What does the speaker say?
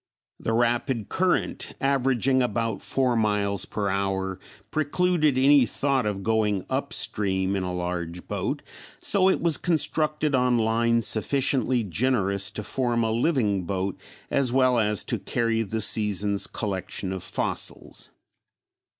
The rapid current averaging about four miles per hour precluded any thought of going up stream in a large boat, so it was constructed on lines sufficiently generous to form a living boat as well as to carry the season's collection of fossils.